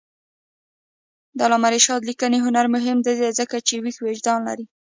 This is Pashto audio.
د علامه رشاد لیکنی هنر مهم دی ځکه چې ویښ وجدان لري.